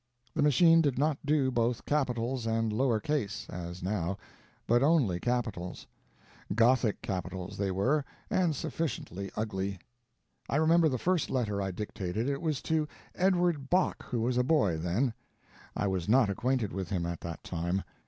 The machine did not do both capitals and lower case (as now), but only capitals. Gothic capitals they were, and sufficiently ugly. I remember the first letter I dictated, it was to Edward Bok, who was a boy then. I was not acquainted with him at that time.